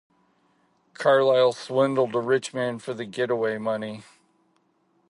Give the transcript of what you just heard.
Carlisle swindle a rich man for the getaway money.